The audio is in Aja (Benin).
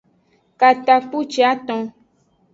Katakpuciaton.